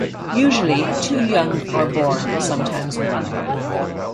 Usually two young are born, sometimes one.